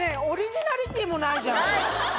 オリジナリティーもないじゃん。